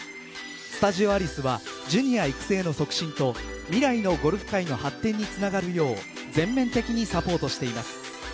スタジオアリスはジュニア育成の促進と未来のゴルフ界の発展につながるよう全面的にサポートしています。